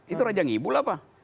itu raja ngibulah pak